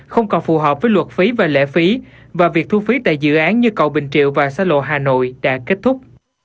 không còn phù hợp với luật phí và lệ phí và việc thu phí tại dự án như cầu bình triệu và xa lộ hà nội đã kết thúc